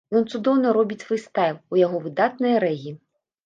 Ён цудоўна робіць фрыстайл, у яго выдатнае рэгі.